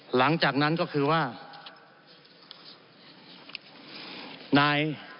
หลังจากนั้นก็คือว่านาย